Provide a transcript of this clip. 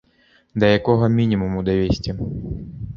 Да якога мінімуму давесці?